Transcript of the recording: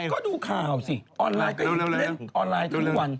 ก็ดูข่าวสิออนไลน์ก็เล่นออนไลน์ทุกวัน